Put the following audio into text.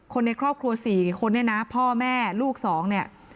คนในครอบครัว๔คนเนี่ยนะพ่อแม่ลูกสองเนี่ย